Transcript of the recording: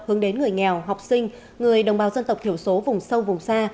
hướng đến người nghèo học sinh người đồng bào dân tộc thiểu số vùng sâu vùng xa